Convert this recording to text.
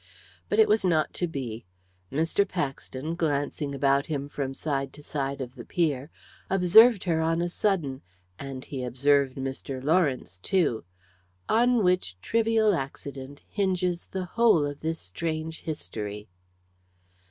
But it was not to be. Mr. Paxton, glancing about him from side to side of the pier, observed her on a sudden and he observed Mr. Lawrence too; on which trivial accident hinges the whole of this strange history.